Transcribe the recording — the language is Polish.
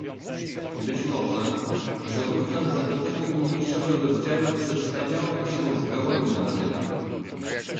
Być może, że wówczas zakończenie niniejszego rozdziału przedstawiałoby się zgoła inaczej.